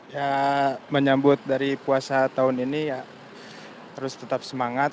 ya menyambut dari puasa tahun ini ya terus tetap semangat